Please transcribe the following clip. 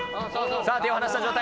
さぁ手を離した状態